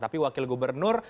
tapi wakil gubernur